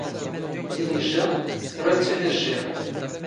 ⵜⵉⵎⵉⵊⵊⴰ, ⵓⵔ ⴰⵔ ⵜⴻⵜⵜⵉⵏⵉ ⵊⵊⵉⵖ.